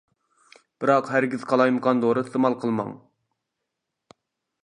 بىراق ھەرگىز قالايمىقان دورا ئىستېمال قىلماڭ!